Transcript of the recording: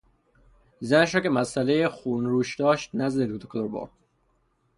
زنش را که مسئلهی خونروش داشت نزد دکتر برد.